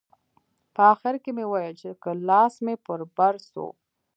په اخر کښې مې وويل چې که لاس مې پر بر سو.